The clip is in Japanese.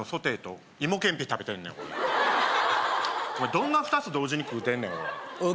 どんな２つ同時に食うてんねんおい